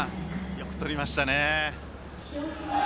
よくとりましたね。